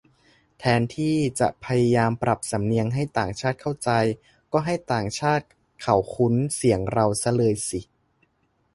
แทนที่จะพยายามปรับสำเนียงให้ต่างชาติเข้าใจ ก็ให้ต่างชาติเขาคุ้นเสียงเราซะเลยสิ